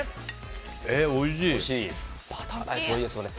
バターライスもいいですよね。